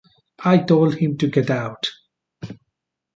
I told him to get out.